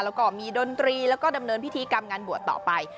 แล้วก็มีดนตรีแล้วก็ดำเนินพิธีกรรมงานบวชต่อไป